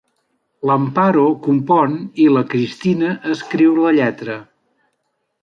L'Amparo compon i la Cristina escriu la lletra.